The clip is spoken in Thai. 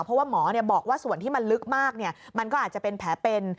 เพราะว่าหมอบอกว่าส่วนที่มันลึกมากมันก็อาจจะเป็นแผลเป็น